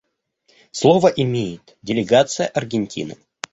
Слово имеет делегация Аргентины.